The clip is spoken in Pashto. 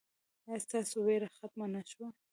ایا ستاسو ویره ختمه نه شوه؟